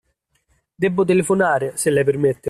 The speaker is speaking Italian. Debbo telefonare, se lei permette.